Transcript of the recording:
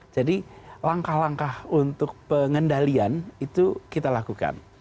jadi langkah langkah untuk pengendalian itu kita lakukan